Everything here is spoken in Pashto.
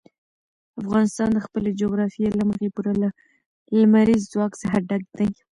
افغانستان د خپلې جغرافیې له مخې پوره له لمریز ځواک څخه ډک دی.